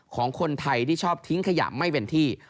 ของคนไทยที่ชอบทิ้งขยะไม่เป็นที่